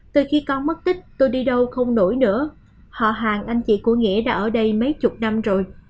từ khi con mất tích tôi đi đâu không nổi nữa họ hàng anh chị của nghĩa đã ở đây mấy chục năm rồi